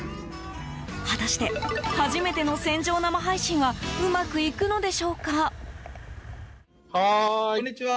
果たして、初めての船上生配信はうまくいくのでしょうか？